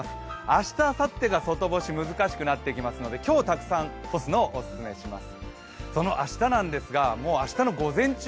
明日・あさってが外干し難しくなってくるので今日たくさん干すのをオススメします。